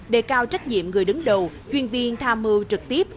đề cao trách nhiệm người đứng đầu chuyên viên tham mưu trực tiếp